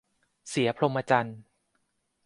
เสียพรหมจรรย์